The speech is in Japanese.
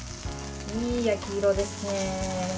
いい焼き色ですね。